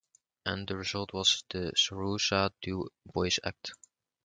And the result was the Sorrosa-Du Bois Act.